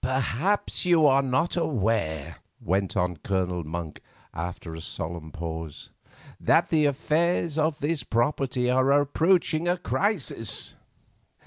"Perhaps you are not aware," went on Colonel Monk, after a solemn pause, "that the affairs of this property are approaching a crisis."